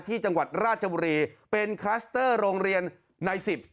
ที่จังหวัดราชบุรีเป็นคลัสเตอร์โรงเรียนในสิบ